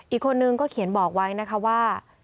อีกคนนึงก็เขียนบอกไว้นะคะว่า